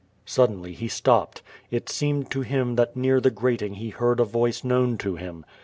Suddenly he stopped. It seemed to him that near the grat ing he heard a voice known to him.